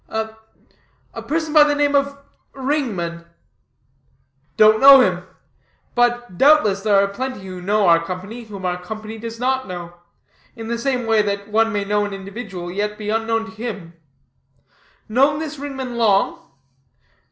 "A a person by the name of Ringman." "Don't know him. But, doubtless, there are plenty who know our Company, whom our Company does not know; in the same way that one may know an individual, yet be unknown to him. Known this Ringman long?